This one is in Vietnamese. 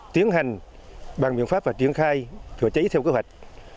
tiến hành bằng biện pháp và triển khai chữa cháy theo kế hoạch